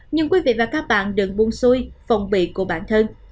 nhưng quý vị và các bạn đừng buôn xuôi phòng bị của bản thân